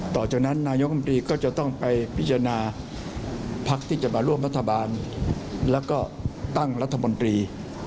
ต่อจากนั้นนายกรรมตรีก็จะต้องไปพิจารณาพักที่จะมาร่วมรัฐบาลแล้วก็ตั้งรัฐมนตรี